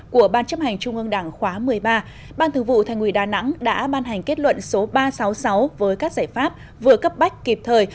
của ban chấp hành trung ương đảng khóa một mươi ba ban thư vụ thành ủy đà nẵng đã ban hành kết luận số ba trăm sáu mươi sáu với các giải pháp vừa cấp bách kịp thời